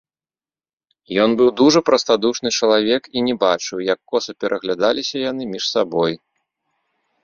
Ён быў дужа прастадушны чалавек і не бачыў, як коса пераглядаліся яны між сабой.